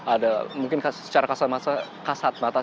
ada mungkin secara kasat mata